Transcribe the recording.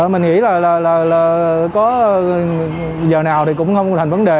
mình nghĩ là có giờ nào thì cũng không thành vấn đề